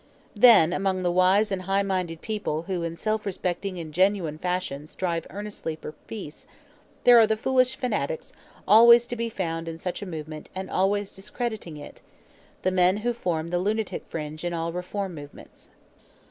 Then, among the wise and high minded people who in self respecting and genuine fashion strive earnestly for peace, there are the foolish fanatics always to be found in such a movement and always discrediting it the men who form the lunatic fringe in all reform movements.